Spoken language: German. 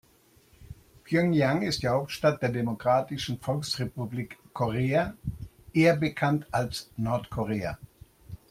Pjöngjang ist die Hauptstadt der Demokratischen Volksrepublik Korea, eher bekannt als Nordkorea.